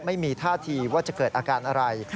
ไม่มีท่าทีว่าจะเกิดอาการอะไร